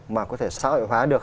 mà có thể xã hội hóa được